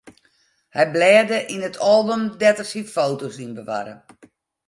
Hy blêde yn it album dêr't er syn foto's yn bewarre.